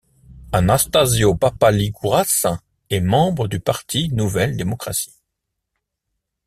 Anastásios Papaligoúras est membre du Parti Nouvelle Démocratie.